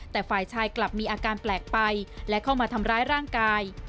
แต่ฝ่ายชายกลับมีอาการแปลกไปและเข้ามาทำร้ายร่างกาย